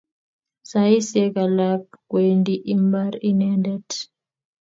Saisyek alak kwendi imbar inendet.